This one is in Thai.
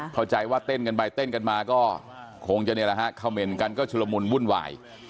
เข้าใจว่าเต้นกันไปเต้นกันมาก็คงจะนี่แหละฮะคำเมนต์กันก็ชุลมุนวุ่นวาย